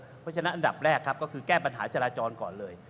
เพราะฉะนั้นอันดับแรกครับก็คือแก้ปัญหาจราจรก่อนเลย